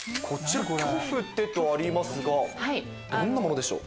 「キョフテ」とありますがどんなものでしょう？